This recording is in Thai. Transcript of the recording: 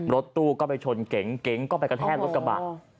รถตู้ไปชนเก๋งก็ไปกระแทนรถกระบะ